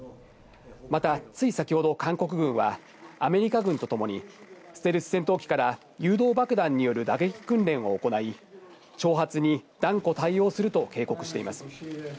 また、つい先ほど韓国軍は、アメリカ軍と共に、ステルス戦闘機から誘導爆弾による打撃訓練を行い、挑発に断固対応すると警告しています。